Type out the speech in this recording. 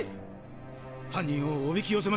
犯人をおびき寄せましょう。